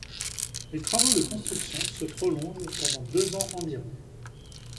Les travaux de constructions se prolongent pendant deux ans environ.